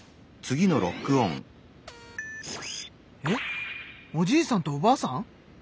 えっおじいさんとおばあさん？